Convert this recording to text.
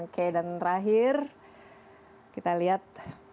oke dan terakhir kita lihat